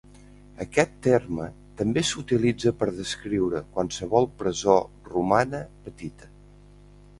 Aquest terme també s'utilitza per descriure qualsevol presó romana petita.